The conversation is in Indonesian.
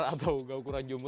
atau enggak ukuran jumbo